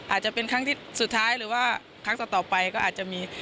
อาจจะเป็นครั้งที่สุดท้ายหรือว่าครั้งต่อไปก็อาจจะมี